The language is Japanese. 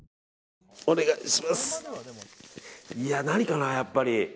何かな、やっぱり。